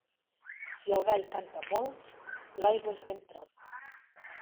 Si el gall canta molt, l'aigua és ben prop.